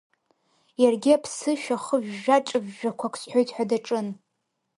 Иаргьы аԥсышәа хыжәжәа-ҿыжәжәақәак сҳәоит ҳәа даҿын.